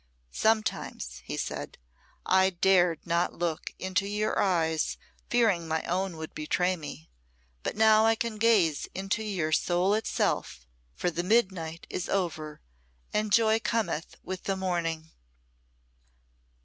"Sometimes," he said, "I dared not look into your eyes, fearing my own would betray me; but now I can gaze into your soul itself, for the midnight is over and joy cometh with the morning."